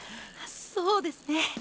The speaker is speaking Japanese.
そうですね。